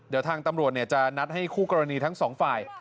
เดี๋ยวทางตำรวจจะนัดให้คู่กรณีทั้งสองฝ่าย